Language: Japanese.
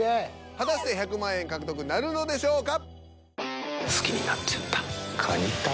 果たして１００万円獲得なるのでしょうか？